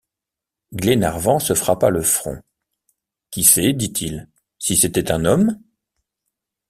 Glenarvan se frappa le front: « Qui sait, dit-il, si c’était un homme?...